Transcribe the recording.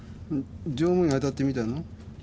乗務員当たってみたの？